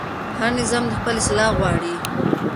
هر نظام خپل اصلاح غواړي